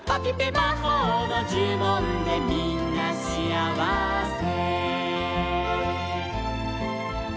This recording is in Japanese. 「まほうのじゅもんでみんなしあわせ」